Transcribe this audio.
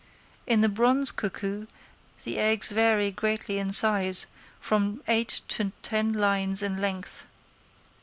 In the bronze cuckoo the eggs vary greatly in size, from eight to ten lines in length.